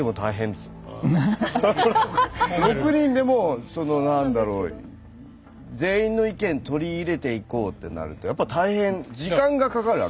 ６人でもその何だろう全員の意見取り入れていこうってなるとやっぱ大変時間がかかるわけ。